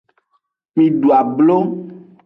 Mi du ablo.